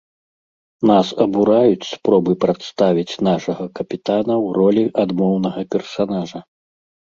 Нас абураюць спробы прадставіць нашага капітана ў ролі адмоўнага персанажа.